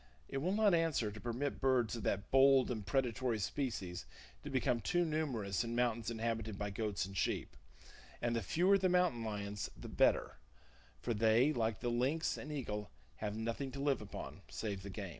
It will not answer to permit birds of that bold and predatory species to become too numerous in mountains inhabited by goats and sheep; and the fewer the mountain lions the better, for they, like the lynx and eagle, have nothing to live upon save the game.